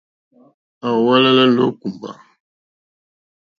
À úwɛ́lɛ́lɛ́ ndó kùmbà.